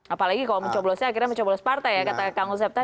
apalagi kalau mencoblosnya akhirnya mencoblos partai ya kata kang josep tadi ya